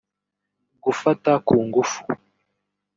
gufata ku ngufu